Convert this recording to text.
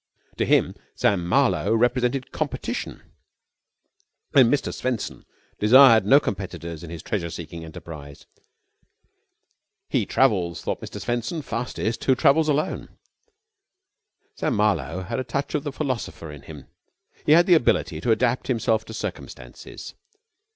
To him Sam Marlowe represented Competition, and Mr. Swenson desired no competitors in his treasure seeking enterprise. He travels, thought Mr. Swenson, the fastest who travels alone. Sam Marlowe had a touch of the philosopher in him. He had the ability to adapt himself to circumstances.